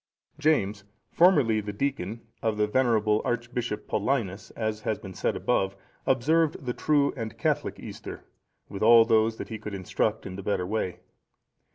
James,(458) formerly the deacon of the venerable Archbishop Paulinus, as has been said above, observed the true and Catholic Easter, with all those that he could instruct in the better way.